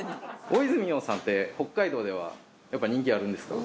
大泉洋さんって北海道ではやっぱ人気あるんですか？